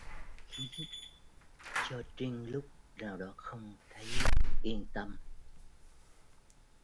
Khiến cho trinh chút nào đó không thấy yên tâm